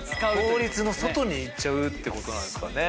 法律の外に行っちゃうってことなんですかね。